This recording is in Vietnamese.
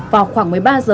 vào khoảng một mươi ba h